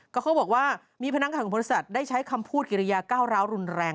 ก็เขาบอกว่ามีพนักงานของบริษัทได้ใช้คำพูดกิริยาก้าวร้าวรุนแรง